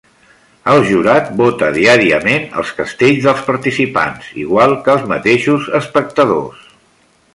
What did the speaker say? El jurat vota diàriament els castells dels participants, igual que els mateixos espectadors.